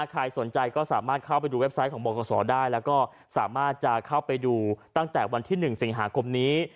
ใครสนใจก็สามารถเข้าไปดูเว็บไซต์ของบขได้แล้วก็สามารถจะเข้าไปดูตั้งแต่วันที่๑สิงหาคมนี้